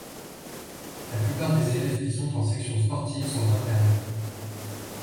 La plupart des élèves qui sont en section sportive sont internes.